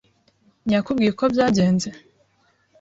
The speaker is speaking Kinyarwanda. ntiyakubwiye uko byagenze?